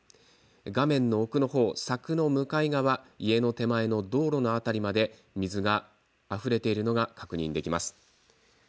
画面の奥のほう、柵の向かい側家の手前の道路の辺りまで水があふれているのが確認できます。